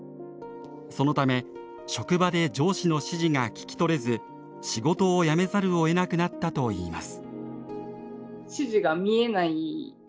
そのため職場で上司の指示が聞き取れず仕事を辞めざるをえなくなったといいます。